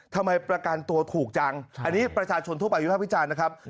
ทำไมประกันตัวถูกจังอันนี้ประชาชนทั่วไปวิภาพวิจารณ์นะครับ